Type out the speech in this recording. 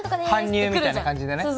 搬入みたいな感じでね。